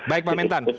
baik pak mentan